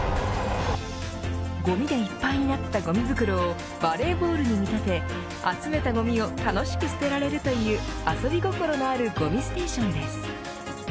ごみでいっぱいになったごみ袋をバレーボールに見立て集めたごみを楽しく捨てられるという遊び心のあるごみステーションです。